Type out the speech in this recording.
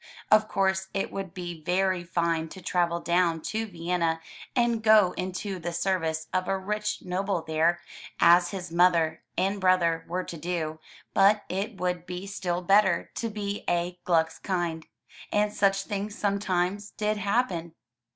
Of course it would be very fine to travel down to Vienna and go into the service of a rich noble there, as his mother and brother were to do, but it would be still better to be a "Gllicks Kind, and such things sometimes did happen.